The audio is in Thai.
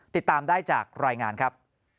ติดตามได้จากรายงานครับ